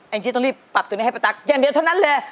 งจี้ต้องรีบปรับตัวนี้ให้ป้าตั๊กอย่างเดียวเท่านั้นเลย